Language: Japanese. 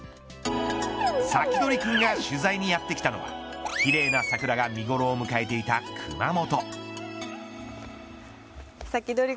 サキドリくんが取材にやって来たのは奇麗な桜が見頃を迎えていた熊本。